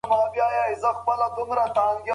زه پر دې مجسمه لعنت وايم.